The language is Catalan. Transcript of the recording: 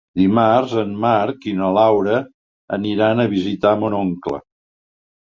Dimarts en Marc i na Laura aniran a visitar mon oncle.